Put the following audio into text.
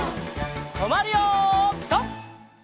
とまるよピタ！